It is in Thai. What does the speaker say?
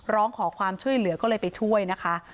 ร้องขอความช่วยเหลือก็เลยไปช่วยนะคะ